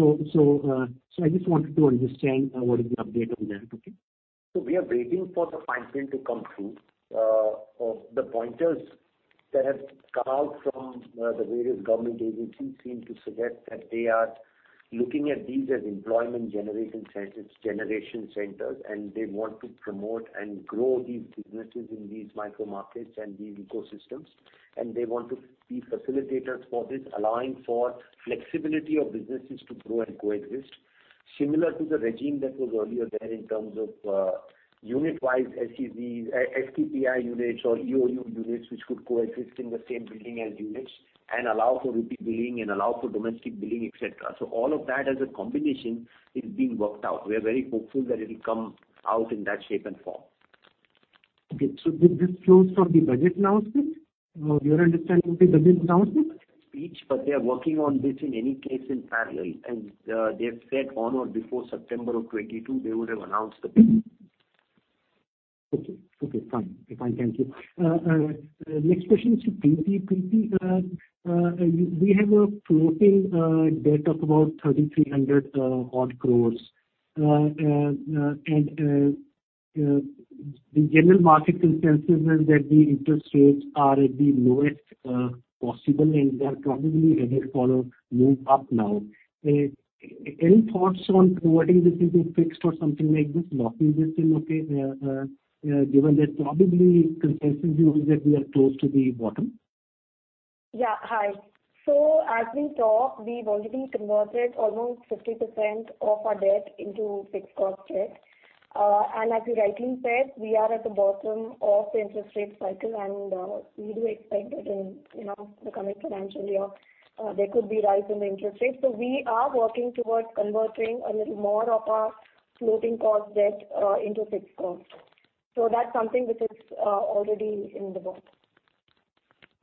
I just wanted to understand what is the update on that. Okay. We are waiting for the fine print to come through. The pointers that have come out from the various government agencies seem to suggest that they are looking at these as employment generation centers, and they want to promote and grow these businesses in these micro markets and these ecosystems. They want to be facilitators for this, allowing for flexibility of businesses to grow and coexist. Similar to the regime that was earlier there in terms of unit-wise SEZs, STPI units or EOU units which could coexist in the same building as units and allow for rupee billing and allow for domestic billing, etc. All of that as a combination is being worked out. We are very hopeful that it'll come out in that shape and form. Okay. This flows from the budget announcement? Your understanding is the budget announcement? They are working on this in any case in parallel. They've said on or before September of 2022, they would have announced the bill. Okay, fine. Thank you. Next question is to Preeti. Preeti, we have a floating debt of about 3,300-odd crores. The general market consensus is that the interest rates are at the lowest possible, and they're probably ready for a move up now. Any thoughts on converting this into fixed or something like this, locking this in, okay, given that probably consensus view is that we are close to the bottom? Yeah. Hi. As we talk, we've already converted almost 50% of our debt into fixed cost debt. And as you rightly said, we are at the bottom of the interest rate cycle, and we do expect that in, you know, the coming financial year, there could be rise in the interest rates. We are working towards converting a little more of our floating cost debt into fixed cost. That's something which is already in the works.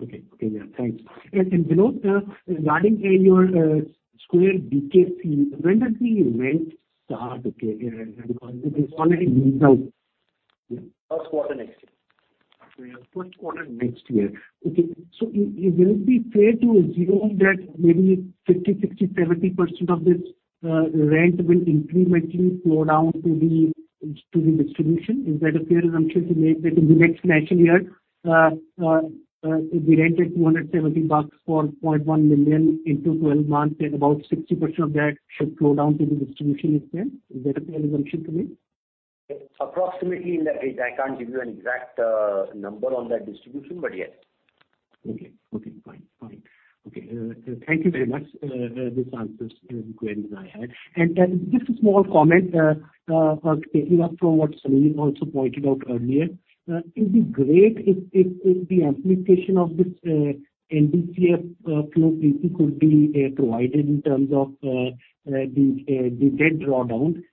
Okay, yeah. Thanks. Vinod, regarding your Square, BKC, when does the rent start, okay? Because it is already leased out. Yeah. First quarter next year. First quarter next year. Okay. It will be fair to assume that maybe 50%, 60%, 70% of this rent will incrementally flow down to the distribution? Is that a fair assumption to make that in the next financial year, if we rent at INR 270 for 0.1 million times 12 months, then about 60% of that should flow down to the distribution this year? Is that a fair assumption to make? Approximately in that range. I can't give you an exact number on that distribution, but yes. Okay, fine. Okay. Thank you very much. This answers the queries I had. Just a small comment, taking up from what Satinder also pointed out earlier. It'll be great if the amplification of this NDCF flow, Preeti, could be provided in terms of the debt drawdown.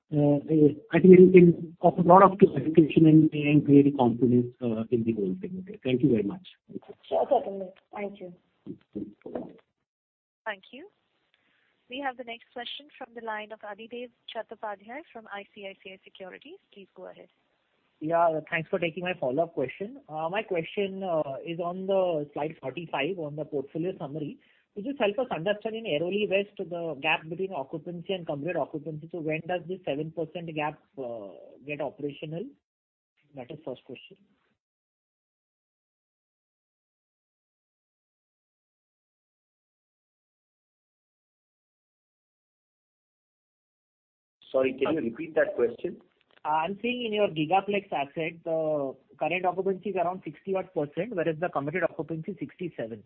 I think it will offer a lot of clarification and create a confidence in the whole thing. Okay. Thank you very much. Sure, Satinder. Thank you. Thank you. Thank you. We have the next question from the line of Adhidev Chattopadhyay from ICICI Securities. Please go ahead. Yeah. Thanks for taking my follow-up question. My question is on the slide 45 on the portfolio summary. Could you help us understand in Airoli West, the gap between occupancy and committed occupancy? When does this 7% gap get operational? That is first question. Sorry, can you repeat that question? I'm seeing in your Gigaplex asset, current occupancy is around 60-odd%, whereas the committed occupancy is 67%.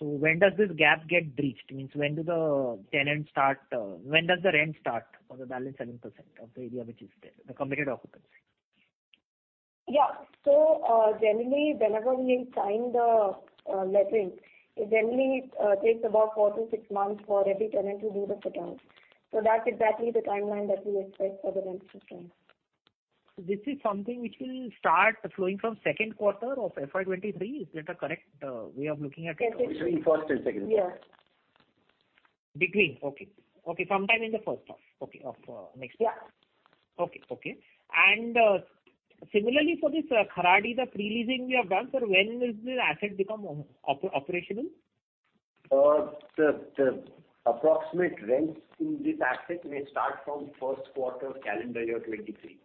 When does this gap get breached? Means when do the tenants start, when does the rent start for the balance 7% of the area which is there, the committed occupancy? Generally, whenever we sign the lease, it generally takes about 4 months-6 months for every tenant to do the fit-out. That's exactly the timeline that we expect for the rents to come. This is something which will start flowing from second quarter of FY 2023. Is that a correct way of looking at it? Yes, it is. Between first and second. Yeah. Between? Okay, sometime in the first half, okay, of next year. Yeah. Okay, okay. Similarly for this, Kharadi, the pre-leasing we have done, sir, when will the asset become operational? The approximate rents in this asset may start from first quarter calendar year 2023.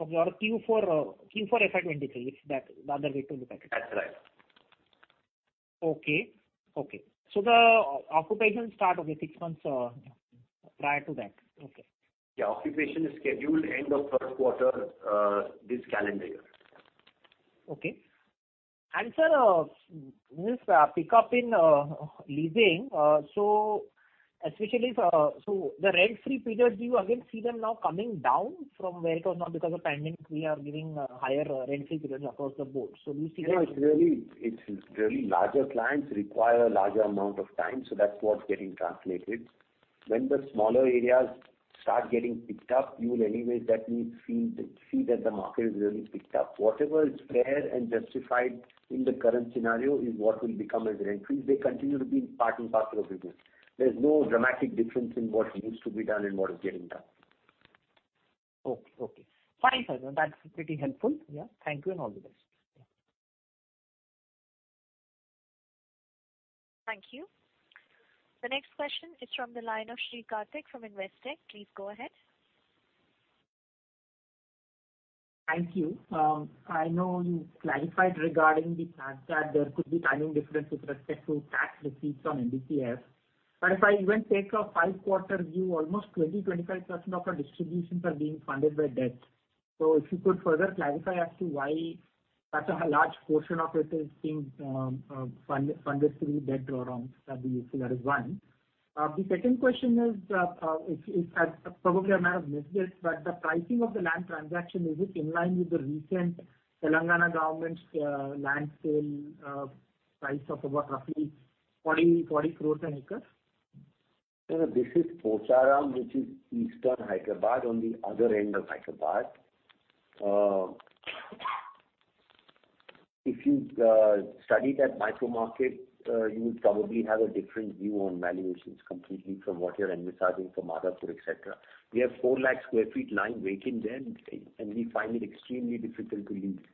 Q4 FY 2023, if that's the other way to look at it. That's right. Okay. The occupation start only six months prior to that. Okay. Yeah. Occupancy is scheduled for the end of first quarter, this calendar year. Okay. Sir, this pickup in leasing, especially for the rent-free periods, do you again see them now coming down from where it was? Not because of pandemic, we are giving higher rent-free periods across the board. Do you see that? No, it's really larger clients require a larger amount of time, so that's what's getting translated. When the smaller areas start getting picked up, you will anyway definitely feel, see that the market is really picked up. Whatever is fair and justified in the current scenario is what will become as rent-free. They continue to be part and parcel of the deal. There's no dramatic difference in what needs to be done and what is getting done. Okay, okay. Fine, sir. That's pretty helpful. Yeah. Thank you, and all the best. Yeah. Thank you. The next question is from the line of Sri Karthik from Investec. Please go ahead. Thank you. I know you clarified regarding the fact that there could be timing difference with respect to tax receipts on NDPS. If I even take a five quarter view, almost 25% of our distributions are being funded by debt. If you could further clarify as to why such a large portion of it is being funded through debt drawdowns. That'd be useful. That is one. The second question is, if probably I might have missed it, but the pricing of the land transaction, is it in line with the recent Telangana government's land sale price of about roughly 40 crores an acre? No, no. This is Pocharam, which is eastern Hyderabad, on the other end of Hyderabad. If you studied that micro market, you would probably have a different view on valuations completely from what you're envisaging from Madhapur, et cetera. We have 4 lakh sq ft lying vacant there, and we find it extremely difficult to lease.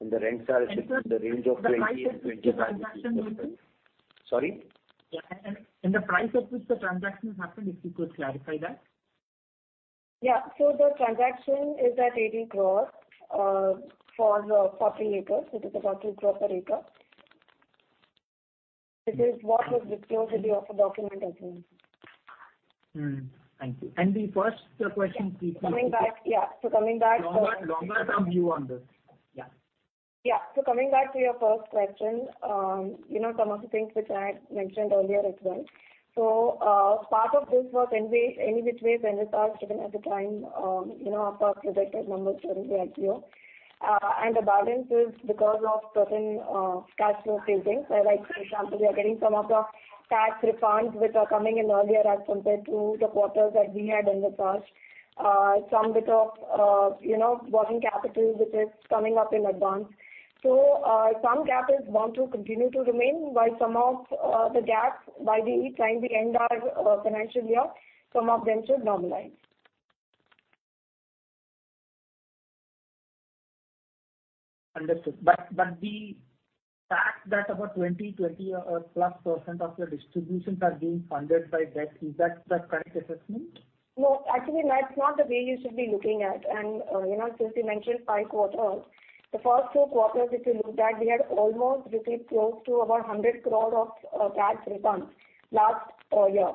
The rents are in the range of 20-25- Sir, the price at which the transaction happened? Sorry? The price at which the transaction happened, if you could clarify that? The transaction is at 80 crore for 40 acres. It is about 2 crore per acre. This is what was disclosed in the offer document as well. Thank you. The first question please. Coming back to Longer term view on this. Yeah. Yeah. Coming back to your first question, you know some of the things which I had mentioned earlier as well. Part of this was anyway, any which way, when it was given at the time, you know, our projected numbers during the IPO. The balance is because of certain cash flow savings, where like for example, we are getting some of the tax refunds which are coming in earlier as compared to the quarters that we had in the past. Some bit of, you know, working capital which is coming up in advance. Some gap is bound to continue to remain, while some of the gaps by the time we end our financial year, some of them should normalize. Understood. The fact that about 20 or plus percent of your distributions are being funded by debt, is that the correct assessment? No. Actually, that's not the way you should be looking at. You know, since you mentioned five quarters, the first two quarters, if you look back, we had almost received close to about 100 crore of tax refunds last year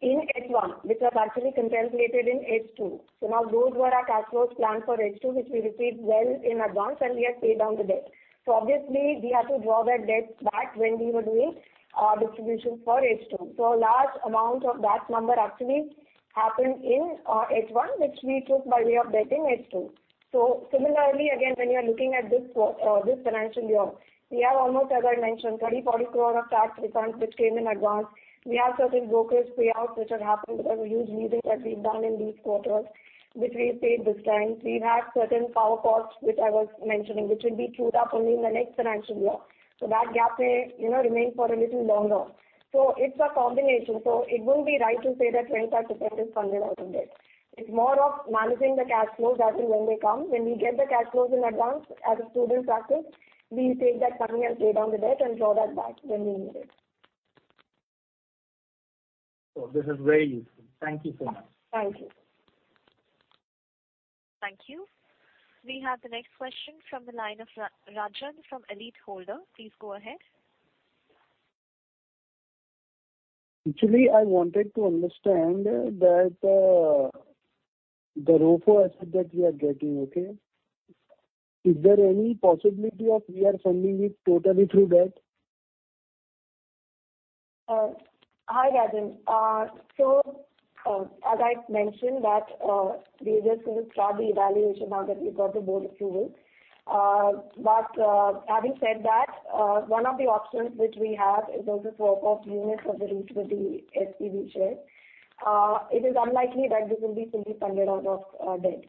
in H1, which was actually contemplated in H2. Now those were our cash flows planned for H2, which we received well in advance, and we have paid down the debt. Obviously, we had to draw that debt back when we were doing distribution for H2. A large amount of that number actually happened in H1, which we took by way of debt in H2. Similarly, again, when you are looking at this financial year, we have almost, as I mentioned, 30, 40 crore of tax refunds which came in advance. We have certain brokers payouts which have happened because of huge leasing that we've done in these quarters, which we've paid this time. We've had certain power costs, which I was mentioning, which will be trued up only in the next financial year. That gap may, you know, remain for a little longer. It's a combination. It won't be right to say that 20% is funded out in debt. It's more of managing the cash flows as and when they come. When we get the cash flows in advance, as a prudent practice, we take that money and pay down the debt and draw that back when we need it. This is very useful. Thank you so much. Thank you. Thank you. We have the next question from the line of Rajan from Elitehold. Please go ahead. Actually, I wanted to understand that, the ROFO asset that we are getting, okay, is there any possibility of we are funding it totally through debt? Hi, Rajan. As I mentioned that, we are just going to start the evaluation now that we've got the board approval. Having said that, one of the options which we have is also swap of units of the REIT with the SPV share. It is unlikely that this will be fully funded out of debt.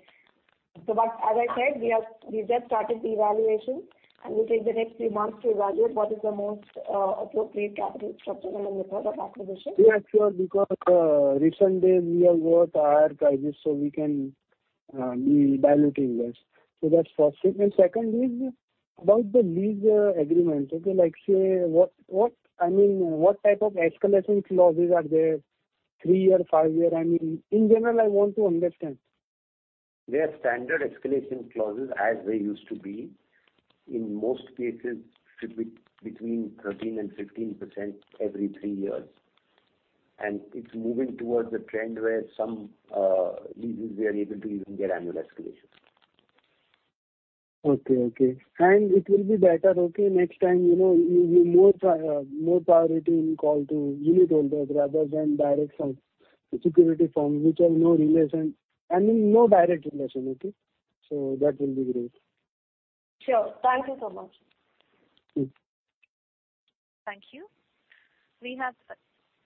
As I said, we've just started the evaluation, and we'll take the next few months to evaluate what is the most appropriate capital structure when we talk of acquisition. Yeah, sure. Because recent days we have got higher prices, so we can be evaluating this. So that's first. Second is about the lease agreement. Okay, like, say, what I mean, what type of escalation clauses are there? Three-year, five-year? I mean, in general, I want to understand. They are standard escalation clauses as they used to be. In most cases should be between 13% and 15% every three years. It's moving towards a trend where some leases we are able to even get annual escalations. Okay. It will be better, okay, next time, you know, you more priority will call to unitholders rather than direct some securities firm which have no relation. I mean, no direct relation. Okay? That will be great. Sure. Thank you so much. Mm-hmm. Thank you.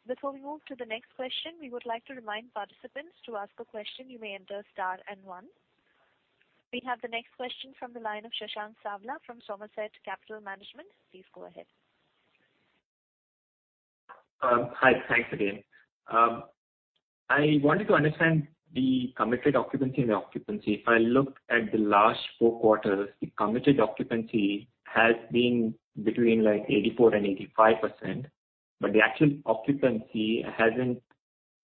Before we move to the next question, we would like to remind participants to ask a question, you may enter star and one. We have the next question from the line of Shashank Savla from Somerset Capital Management. Please go ahead. Hi. Thanks again. I wanted to understand the committed occupancy and the occupancy. If I look at the last four quarters, the committed occupancy has been between, like, 84%-85%, but the actual occupancy hasn't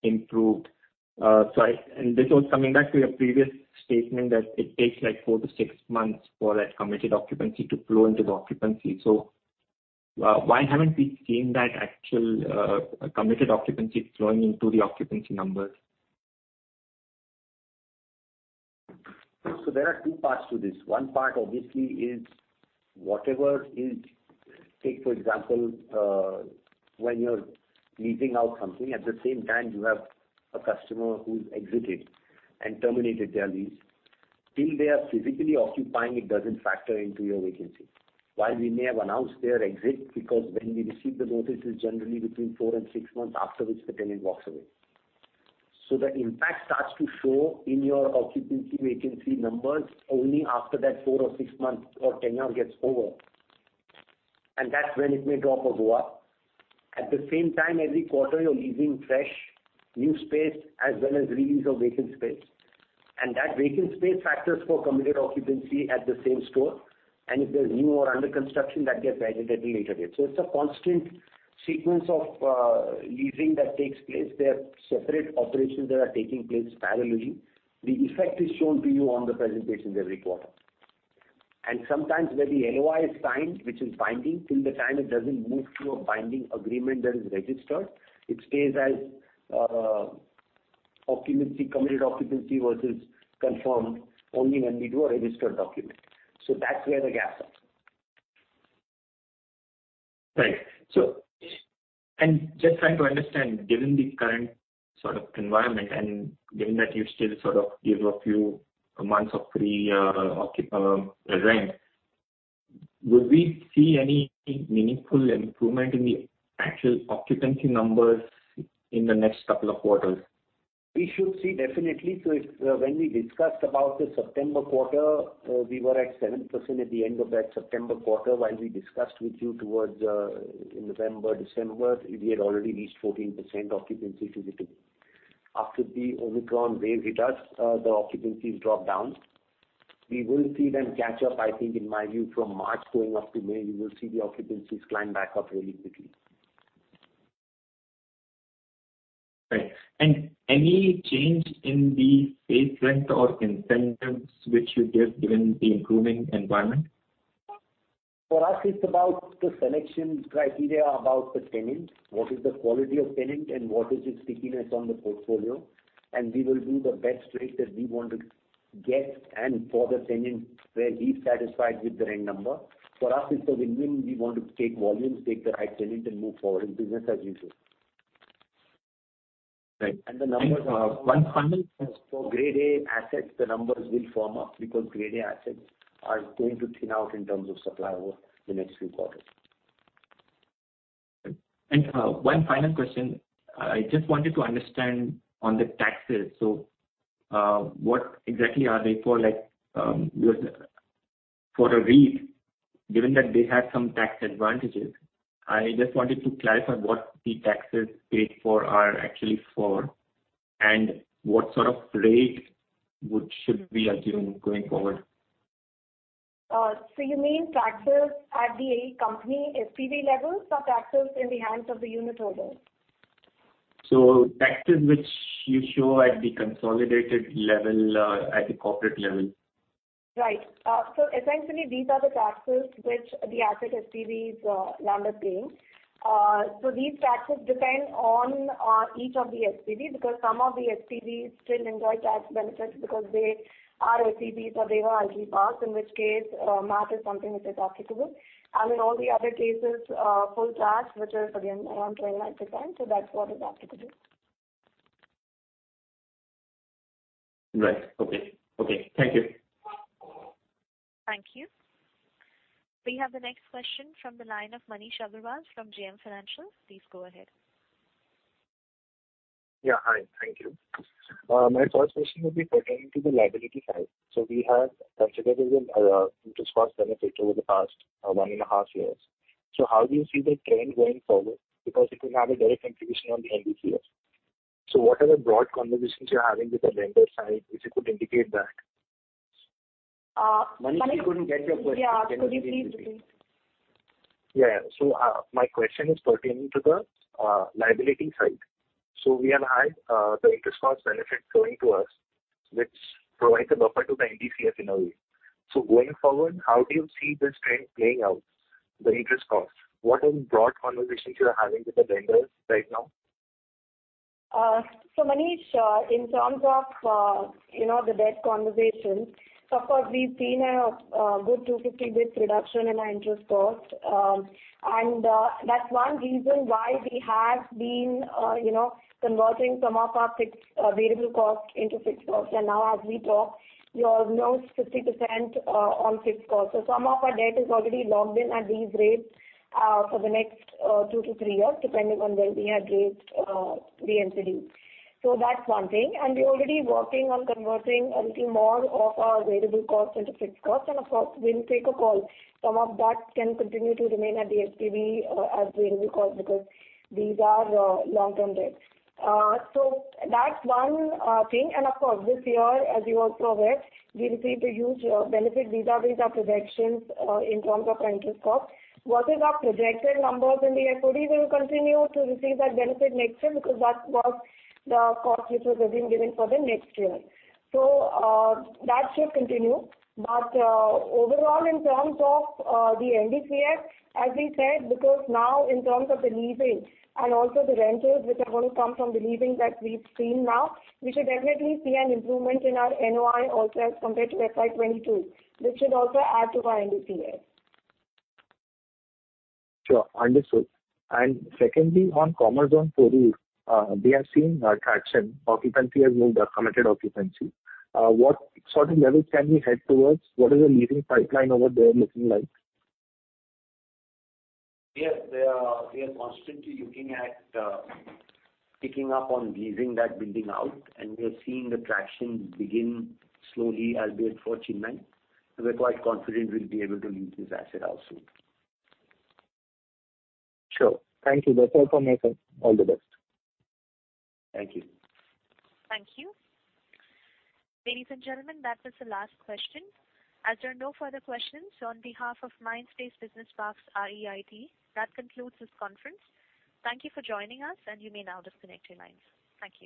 improved. This was coming back to your previous statement that it takes, like, 4 months-6 months for that committed occupancy to flow into the occupancy. Why haven't we seen that actual committed occupancy flowing into the occupancy numbers? There are two parts to this. One part obviously is. Take for example, when you're leasing out something, at the same time you have a customer who's exited and terminated their lease. Till they are physically occupying it doesn't factor into your vacancy. While we may have announced their exit, because when we receive the notice, it's generally between four and six months, after which the tenant walks away. The impact starts to show in your occupancy vacancy numbers only after that four or six months or tenure gets over, and that's when it may drop or go up. At the same time, every quarter you're leasing fresh new space as well as re-lease of vacant space. That vacant space factors for committed occupancy at the same store. If there's new or under construction, that gets added at a later date. It's a constant sequence of leasing that takes place. They're separate operations that are taking place parallelly. The effect is shown to you on the presentations every quarter. Sometimes where the NOI is signed, which is binding, till the time it doesn't move to a binding agreement that is registered, it stays as occupancy, committed occupancy versus confirmed only when we do a registered document. That's where the gap comes. Right. Just trying to understand, given the current sort of environment and given that you still sort of give a few months of free rent, would we see any meaningful improvement in the actual occupancy numbers in the next couple of quarters? We should see, definitely. When we discussed about the September quarter, we were at 7% at the end of that September quarter. While we discussed with you towards November, December, we had already reached 14% occupancy to be booked. After the Omicron wave hit us, the occupancies dropped down. We will see them catch up, I think in my view from March going up to May, you will see the occupancies climb back up really quickly. Right. Any change in the base rent or incentives which you give, given the improving environment? For us it's about the selection criteria about the tenant, what is the quality of tenant, and what is its stickiness on the portfolio. We will do the best rate that we want to get and for the tenant where he's satisfied with the rent number. For us it's a win-win. We want to take volumes, take the right tenant and move forward in business as usual. Right. The numbers are The numbers. One final question. For Grade A assets, the numbers will firm up because Grade A assets are going to thin out in terms of supply over the next few quarters. One final question. I just wanted to understand on the taxes. What exactly are they for? Like, for a REIT, given that they have some tax advantages, I just wanted to clarify what the taxes paid for are actually for and what sort of rate should we assume going forward? you mean taxes at the asset SPV level or taxes in the hands of the unitholder? Taxes which you show at the consolidated level, at the corporate level. Right. Essentially these are the taxes which the Asset SPVs, landlord paying. These taxes depend on each of the SPVs because some of the SPVs still enjoy tax benefits because they are SPVs or they were IT parks, in which case MAT is something which is applicable. In all the other cases, full tax, which is again around 29%. That's what is applicable. Right. Okay. Thank you. Thank you. We have the next question from the line of Manish Agarwal from JM Financial. Please go ahead. Hi. Thank you. My first question would be pertaining to the liability side. We have considerable interest cost benefit over the past one and a half years. How do you see the trend going forward? Because it will have a direct contribution on the NDCF. What are the broad conversations you're having with the lender side, if you could indicate that. Manish- Manish, we couldn't get your question. Can you please repeat? Yeah. Could you please repeat? Yeah. My question is pertaining to the liability side. We have had the interest cost benefit flowing to us, which provides a buffer to the NDCF in a way. Going forward, how do you see this trend playing out, the interest cost? What are the broad conversations you're having with the lenders right now? Manish Agarwal, in terms of, you know, the debt conversations, of course, we've seen a good 250 basis points reduction in our interest cost. That's one reason why we have been, you know, converting some of our variable cost into fixed cost. Now as we talk, you have noticed 50% on fixed cost. Some of our debt is already locked in at these rates for the next two to three years, depending on when we had raised the NCD. That's one thing. We're already working on converting a little more of our variable cost into fixed cost. Of course, we'll take a call. Some of that can continue to remain at the SPV as variable cost because these are long-term debts. That's one thing. Of course, this year, as you also aware, we received a huge benefit vis-a-vis our projections, in terms of our interest cost. What is our projected numbers in the FY 2023, we will continue to receive that benefit next year because that was the cost which was again given for the next year. That should continue. Overall, in terms of the NDCF, as we said, because now in terms of the leasing and also the rentals which are going to come from the leasing that we've seen now, we should definitely see an improvement in our NOI also as compared to FY 2022, which should also add to our NDCF. Sure. Understood. Secondly, on Commerzone four, we have seen traction. Occupancy has moved up, committed occupancy. What sort of levels can we head towards? What is the leasing pipeline over there looking like? Yes. We are constantly looking at picking up on leasing that building out, and we are seeing the traction begin slowly as we approach imminent. We're quite confident we'll be able to lease this asset out soon. Sure. Thank you. That's all from my side. All the best. Thank you. Thank you. Ladies and gentlemen, that was the last question. As there are no further questions, on behalf of Mindspace Business Parks REIT, that concludes this conference. Thank you for joining us, and you may now disconnect your lines. Thank you.